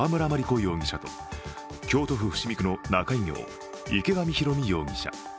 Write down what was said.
容疑者と京都市伏見区の仲居業・池上ひろみ容疑者。